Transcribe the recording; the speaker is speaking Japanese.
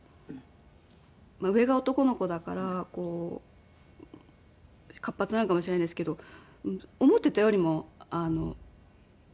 上が男の子だから活発なのかもしれないんですけど思っていたよりもおてんばで。